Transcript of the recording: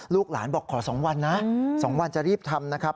ลูกหลานบอกขอ๒วันนะ๒วันจะรีบทำนะครับ